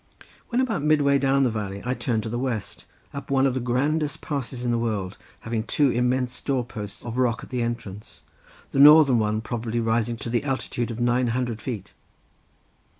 When about midway down the valley I turned to the west up one of the grandest passes in the world, having two immense door posts of rock at the entrance, the northern one probably rising to the altitude of nine hundred feet.